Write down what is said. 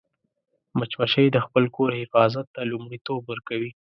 مچمچۍ د خپل کور حفاظت ته لومړیتوب ورکوي